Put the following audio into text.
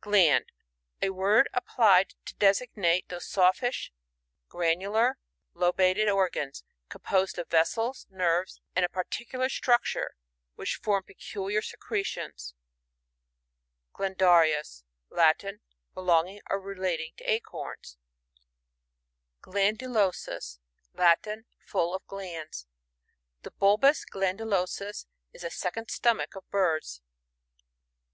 Gland. — A word applied to desig. nate those soflish, granular, loba ted organs, composed of vessels, nerves, and a particular structure, which form peculiar secretions. Glandarius. — Latin. Belonging or relating to acorns.. d by Google ORNITHOLOGY:— GLOSSARY. 117 GLANDULosus. Latin. Full of glands. The bulbus glandnlosus^ is the second stomach of birds.